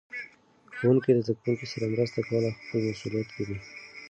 ښوونکي د زده کوونکو سره مرسته کول خپل مسؤلیت ګڼي.